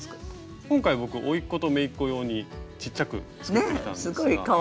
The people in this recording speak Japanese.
今回僕おいっ子とめいっ子用にちっちゃく作ってきたんですが。